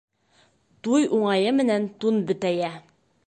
Туй уңайы менән тун бөтәйә.